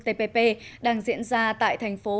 tpp đang diễn ra tại thành phố